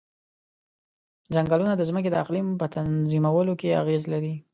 ځنګلونه د ځمکې د اقلیم په تنظیمولو کې اغیز لري.